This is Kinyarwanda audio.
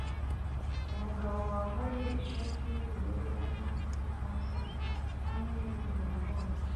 Umugabo wambaye ishati yubururu arimo kurya hanze hamwe numuryango we